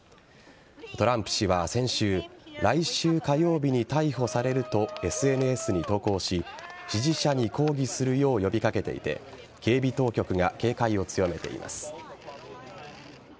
トランプ氏は先週来週火曜日に逮捕されるとＳＮＳに投稿し支持者に抗議するよう呼び掛けていて警備当局が警戒を強めています。